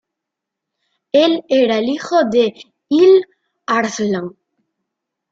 Él era el hijo de Il-Arslan.